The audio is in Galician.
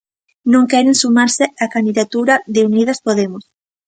Non queren sumarse á candidatura de Unidas Podemos.